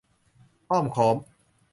อ้อมค้อม